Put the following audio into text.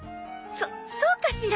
そそうかしら？